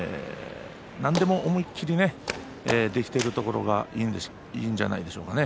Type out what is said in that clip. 何でも思い切りできているところがいいんじゃないでしょうかね。